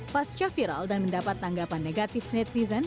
pasca viral dan mendapat tanggapan negatif netizen